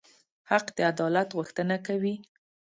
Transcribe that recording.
حق د عدالت غوښتنه کوي.